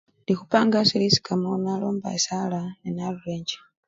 Indi ikhupanga asii lisikamo nalomba esala ne narura enjje.